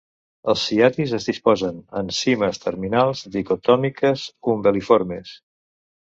Els ciatis es disposen en cimes terminals dicotòmiques, umbel·liformes.